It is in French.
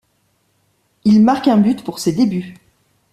Il marque un but pour ses débuts.